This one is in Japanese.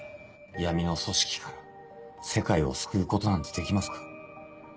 闇の組織から世界を救うことなんてできますか？